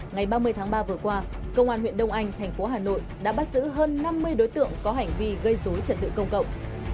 ngày ba mươi tháng ba vừa qua công an huyện đông anh thành phố hà nội đã bắt giữ hơn năm mươi đối tượng có hành vi gây dối trật tự công cộng